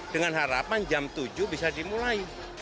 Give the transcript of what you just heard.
dengan harapan jam tujuh bisa dimulai